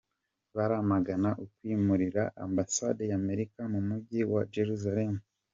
Baramagana ukwimurira Ambasade ya Amerika mu mujyi wa Jerusalem.